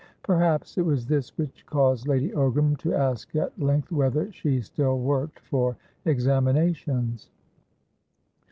Perhaps it was this which caused Lady Ogram to ask at length whether she still worked for examinations.